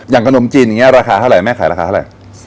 ขนมจีนอย่างนี้ราคาเท่าไหร่แม่ขายราคาเท่าไหร่